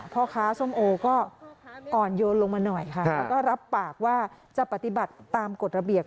พ่อค้าส้มโอก็อ่อนโยนลงมาหน่อยค่ะแล้วก็รับปากว่าจะปฏิบัติตามกฎระเบียบ